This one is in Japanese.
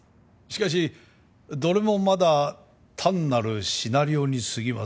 しかしどれもまだ単なるシナリオにすぎません。